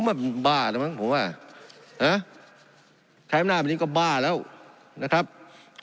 มันบ้านะมั้งผมว่าใช้หน้าแบบนี้ก็บ้าแล้วนะครับขอ